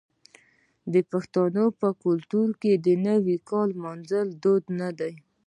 آیا د پښتنو په کلتور کې د نوي کال لمانځل دود نه دی؟